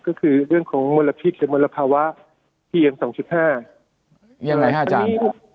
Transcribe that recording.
ก็คือเรื่องของมลพิษหรือมลภาวะที่ยัง๒๕ยังไงฮะอาจารย์